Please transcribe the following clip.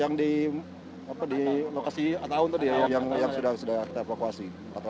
yang di lokasi atta awun tadi ya yang sudah kita evakuasi